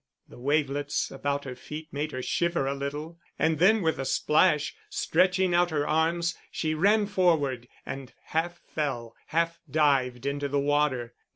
The wavelets about her feet made her shiver a little, and then with a splash, stretching out her arms, she ran forward, and half fell, half dived into the water.